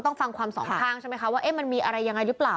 ต้องฟังความสขัมมันมีอะไรอย่างไรเปล่า